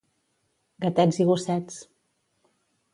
Gatets i gossets.